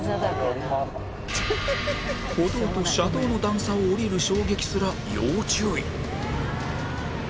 歩道と車道の段差を下りる衝撃すら要注意